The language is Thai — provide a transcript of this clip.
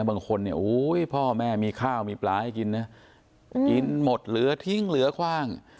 บางคนเนี่ยโอ้ยพ่อแม่มีข้าวมีปลาให้กินนะกินหมดเหลือทิ้งเหลือคว่าง